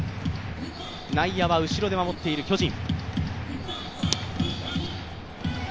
内野は後ろで守っている巨人。